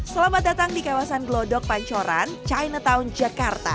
selamat datang di kawasan glodok pancoran chinatown jakarta